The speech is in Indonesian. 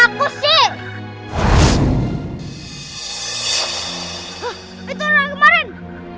kamu kok nggak bantuin aku sih